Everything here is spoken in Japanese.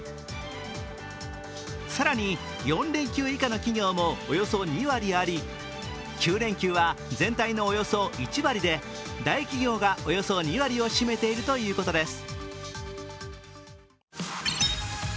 更に４連休以下の企業もおよそ２割あり、９連休は全体のおよそ１割で大企業がおよそ２割を占めているということです。